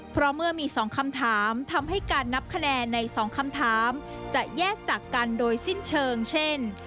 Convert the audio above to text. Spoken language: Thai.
เพราะเมื่อมี๒คำถามทำให้การนับคะแนนใน๒คำถามจะแยกจากกันโดยสิ้นเชิงเช่น